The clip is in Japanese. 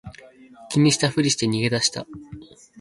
気にしたふりして逃げ出した